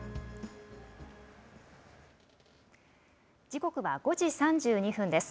時刻は５時３２分です。